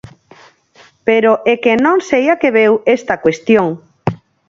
Pero é que non sei a que veu esta cuestión.